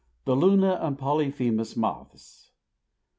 THE LUNA AND POLYPHEMUS MOTHS.